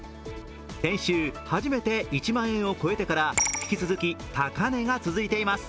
先週、初めて１万円を超えてから引き続き高値が続いています。